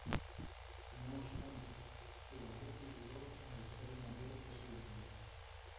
No obstante, todavía figuró en el Estado Mayor Presidencial.